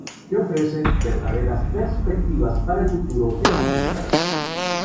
Que ofrece verdaderas perspectivas para el futuro de la ciudad.